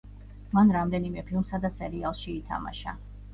მან რამდენიმე ფილმსა და სერიალში ითამაშა.